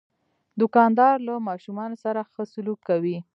دوکاندار له ماشومان سره ښه سلوک کوي.